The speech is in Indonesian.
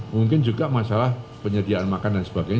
mungkin juga masalah penyediaan makan dan sebagainya